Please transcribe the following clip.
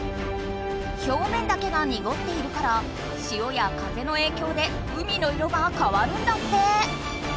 表面だけがにごっているから潮や風のえいきょうで海の色がかわるんだって。